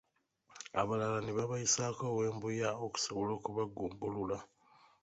Abalala ne babayisaako ow'embuya okusobola okubagumbulula.